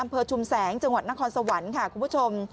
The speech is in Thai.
อำเภอชุมแสงจังหวัดนครสวรรค์คุณผู้ชม